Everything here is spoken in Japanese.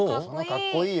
かっこいい。